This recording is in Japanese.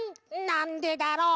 「なんでだろう」